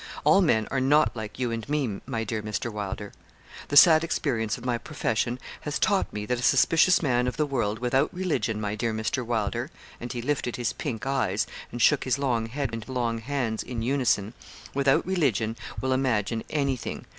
All men are not like you and me, my dear Mr. Wylder. The sad experience of my profession has taught me that a suspicious man of the world, without religion, my dear Mr. Wylder,' and he lifted his pink eyes, and shook his long head and long hands in unison 'without religion will imagine anything.